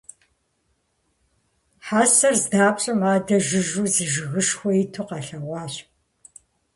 Хьэсэр здапщӀэм, аддэ жыжьэу зы жыгышхуэ иту къалъэгъуащ.